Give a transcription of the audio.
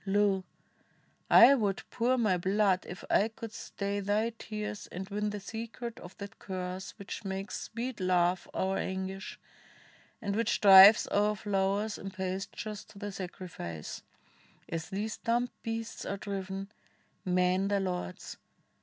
Lo ! I would pour my blood if it could stay Thy tears and win the secret of that curse Which makes sweet love our anguish, and which drives O'er flowers and pastures to the sacrifice — As these dumb beasts are driven — men their lords.